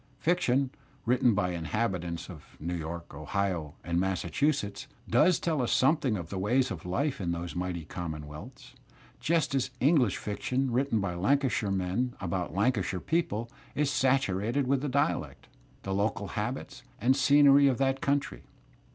Fiction, written by inhabitants of New York, Ohio, and Massachusetts, does I tell us something of the ways of life in those mighty common ' wealths, just as English fiction written by Lancashire men about Lancashire people is saturated with the dialect, the local habits and scenery of that coimty.